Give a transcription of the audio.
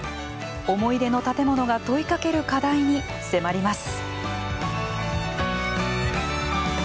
思い出の建物が問いかける課題に迫ります。